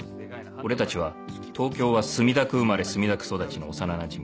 俺たちは東京は墨田区生まれ墨田区育ちの幼なじみ